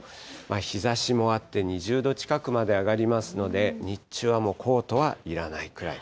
日ざしもあって、２０度近くまで上がりますので、日中はもうコートはいらないくらい。